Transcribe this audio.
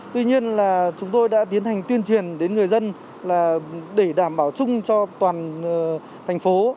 tuy nhiên là chúng tôi đã tiến hành tuyên truyền đến người dân là để đảm bảo chung cho toàn thành phố